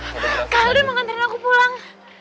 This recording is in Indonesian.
kalian mau anterin aku pulang